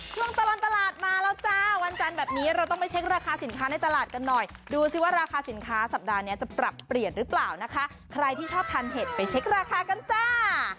ช่วงตลอดตลาดมาแล้วจ้าวันจันทร์แบบนี้เราต้องไปเช็คราคาสินค้าในตลาดกันหน่อยดูสิว่าราคาสินค้าสัปดาห์นี้จะปรับเปลี่ยนหรือเปล่านะคะใครที่ชอบทานเห็ดไปเช็คราคากันจ้า